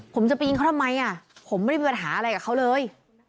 ผมจะไปยิงเขาทำไมอ่ะผมไม่ได้มีปัญหาอะไรกับเขาเลย